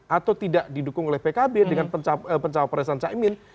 atau tidak didukung oleh pkb dengan pencaparesan caimin